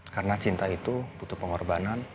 karena cinta itu butuh pengorbanan